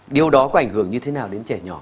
điều đó có ảnh hưởng như thế nào đến trẻ nhỏ